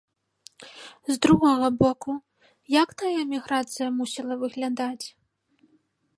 З другога боку, як тая эміграцыя мусіла выглядаць?